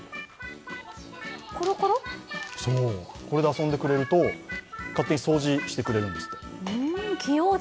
これで遊んでくれると勝手に掃除してくれるんですって。